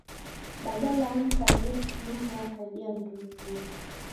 Badala unikabie simu w'akabia mundu mzima